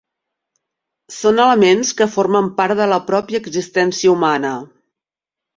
Són elements que formen part de la pròpia existència humana.